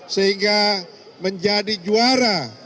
sehingga menjadi juara